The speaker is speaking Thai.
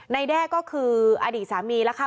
แด้ก็คืออดีตสามีแล้วค่ะ